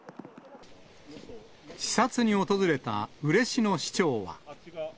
視察に訪れた嬉野市長は。